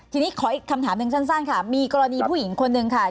ทีนี้ขออีกคำถามหนึ่งสั้นค่ะมีกรณีผู้หญิงคนนึงค่ะ